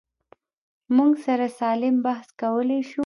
موږ سره سالم بحث کولی شو.